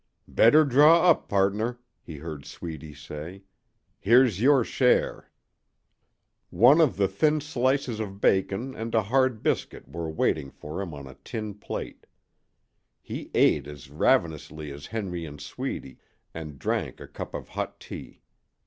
"Better draw up, pardner," he heard Sweedy say. "Here's your share." One of the thin slices of bacon and a hard biscuit were waiting for him on a tin plate. He ate as ravenously as Henry and Sweedy, and drank a cup of hot tea.